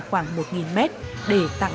khoảng một m để tặng